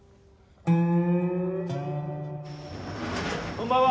こんばんは。